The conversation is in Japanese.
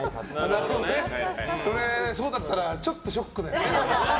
そうだったらちょっとショックだよね。